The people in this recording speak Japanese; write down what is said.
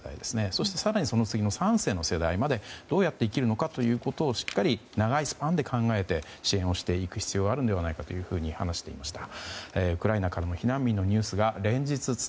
そして更にその次の３世の世代までどうやって生きるのかということをしっかり長いスパンで考えて、支援をしていく必要があるのではないかと話していました。